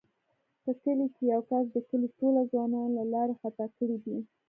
په کلي کې یوه کس د کلي ټوله ځوانان له لارې خطا کړي دي.